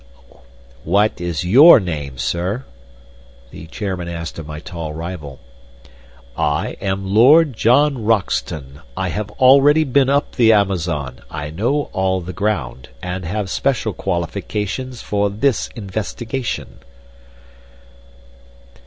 "What is YOUR name, sir?" the chairman asked of my tall rival. "I am Lord John Roxton. I have already been up the Amazon, I know all the ground, and have special qualifications for this investigation."